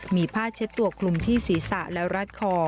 มีพาดเช็ดตัวกลุ่มที่ศรีษะและรัดคอ